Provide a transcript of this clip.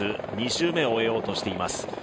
２周目を終えようとしています。